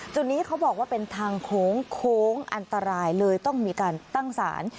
จุดนี้เขาบอกว่าเป็นทางโค้งโค้งอันตรายเลยต้องมีการตั้งสาร